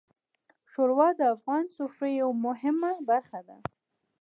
ښوروا د افغان سفرې یوه مهمه برخه ده.